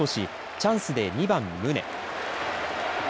チャンスで２番、宗。